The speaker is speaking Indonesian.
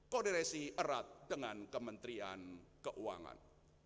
koordinasi erat dengan kementerian keuangan